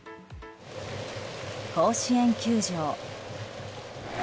甲子園球場。